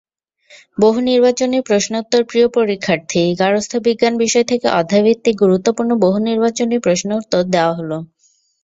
বহুনির্বাচনি প্রশ্নোত্তরপ্রিয় পরীক্ষার্থী, গার্হস্থ্য বিজ্ঞান বিষয় থেকে অধ্যায়ভিত্তিক গুরুত্বপূর্ণ বহুনির্বাচনি প্রশ্নোত্তর দেওয়া হলো।